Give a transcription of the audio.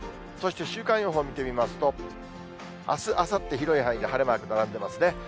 そして週間予報も見てみますと、あす、あさって、広い範囲で晴れマーク、並んでますね。